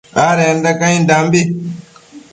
adenda caindambi